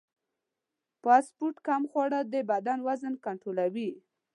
فاسټ فوډ کم خوړل د بدن وزن کنټرولوي.